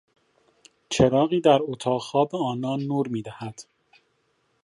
چراغی در اتاق خواب آنان نور میدهد.